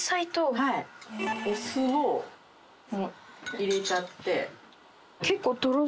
お酢を入れちゃって。